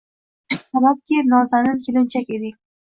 Sababki, nozanin kelinchak eding